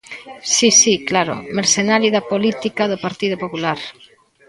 Si, si, claro, mercenario da política do Partido Popular.